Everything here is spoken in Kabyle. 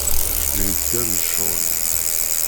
Lhi-d kan d ccɣel-im.